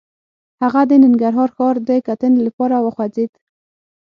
هغه د ننګرهار ښار د کتنې لپاره وخوځېد.